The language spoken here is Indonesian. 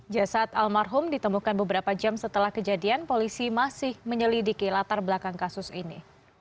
jasad almarhum ditemukan beberapa jam setelah kejadian polisi masih menyelidiki latar belakang kasus ini